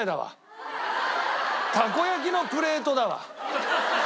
たこ焼きのプレートだわ。